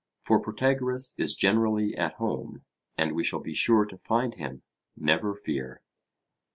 For Protagoras is generally at home, and we shall be sure to find him; never fear.